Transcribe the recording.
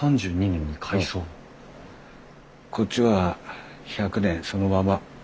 こっちは１００年そのまま。